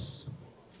ataupun di kalangan